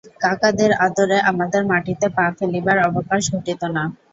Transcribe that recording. কাকাদের আদরে আমাদের মাটিতে পা ফেলিবার অবকাশ ঘটিত না।